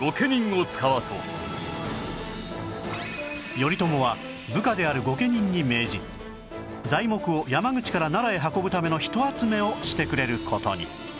頼朝は部下である御家人に命じ材木を山口から奈良へ運ぶための人集めをしてくれる事に